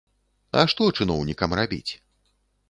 А што чыноўнікам рабіць?